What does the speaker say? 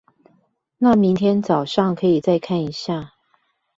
那明天早上可以再看一下